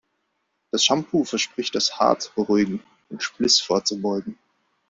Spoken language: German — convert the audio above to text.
Das Shampoo verspricht das Haar zu beruhigen und Spliss vorzubeugen.